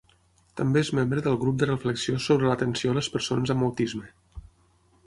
També és membre del grup de reflexió sobre l'atenció a les persones amb autisme.